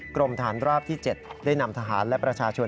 กรมฐานราบที่๗ได้นำทหารและประชาชน